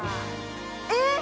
えっ？